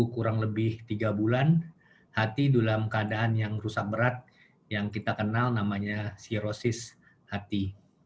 kurang lebih tiga bulan hati dalam keadaan yang rusak berat yang kita kenal namanya zerosis hati